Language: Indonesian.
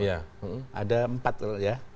ada empat ya